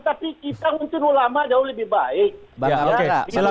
tapi kita mungkin ulama jauh lebih baik